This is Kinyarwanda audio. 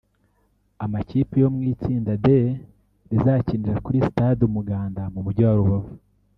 Amakipe yo mu itsinda D rizakinira kuri stade Umuganda mu mujyi wa Rubavu